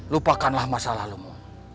lupakanlah masa lalumu